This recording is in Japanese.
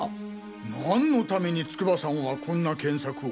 なんのために筑波さんはこんな検索を？